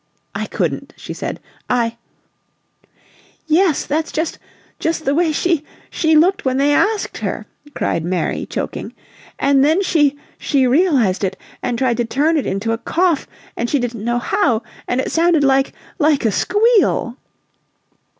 "I couldn't!" she said. "I " "Yes, that's just just the way she she looked when they asked her!" cried Mary, choking. "And then she she realized it, and tried to turn it into a cough, and she didn't know how, and it sounded like like a squeal!"